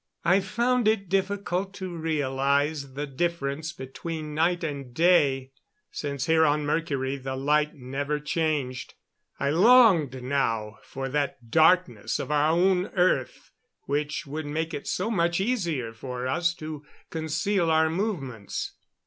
I found it difficult to realize the difference between night and day, since here on Mercury the light never changed. I longed now for that darkness of our own earth which would make it so much easier for us to conceal our movements.